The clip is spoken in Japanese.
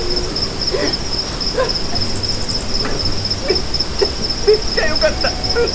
めっちゃめっちゃよかった！